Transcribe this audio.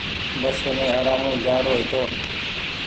بسي مين ارآمون جآرو هيتو۔